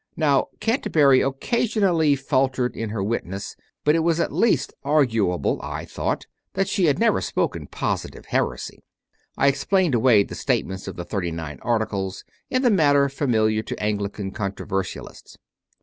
Now Canterbury occasionally faltered in her wit ness, but it was at least arguable, I thought, that she had never spoken positive heresy. (I explained away the statements of the Thirty Nine Articles in the manner familiar to Anglican controversialists.)